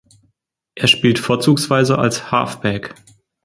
Er spielt vorzugsweise als Halfback.